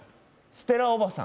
ステラおばさん。